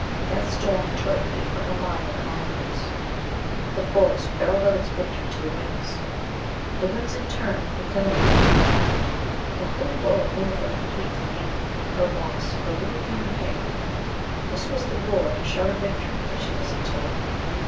That storm interpreted for her mind the climax. The Forest bellowed out its victory to the winds; the winds in turn proclaimed it to the Night. The whole world knew of her complete defeat, her loss, her little human pain. This was the roar and shout of victory that she listened to.